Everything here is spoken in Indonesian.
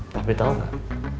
tapi tahu nggak